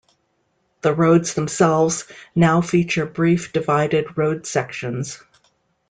The roads themselves now feature brief divided road sections.